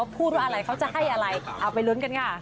พูดว่าอะไรเขาจะให้อะไรเอาไปลุ้นกันค่ะ